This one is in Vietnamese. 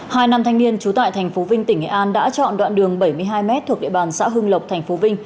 hai nam thanh niên trú tại tp vinh tỉnh nghệ an đã chọn đoạn đường bảy mươi hai m thuộc địa bàn xã hưng lộc tp vinh